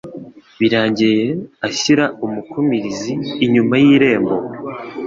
birangiye ashyira umukumirizi inyuma y'irembo